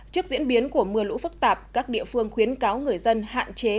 trước diễn biến của mưa lũ phức tạp các địa phương khuyến cáo người dân hạn chế